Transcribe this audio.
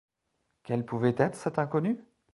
Quel pouvait être cet inconnu?